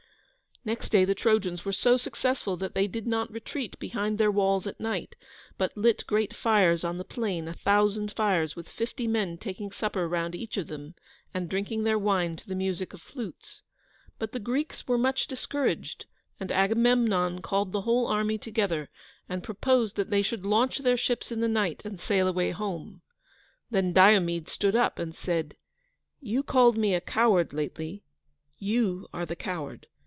Next day the Trojans were so successful that they did not retreat behind their walls at night, but lit great fires on the plain: a thousand fires, with fifty men taking supper round each of them, and drinking their wine to the music of flutes. But the Greeks were much discouraged, and Agamemnon called the whole army together, and proposed that they should launch their ships in the night and sail away home. Then Diomede stood up, and said: "You called me a coward lately. You are the coward!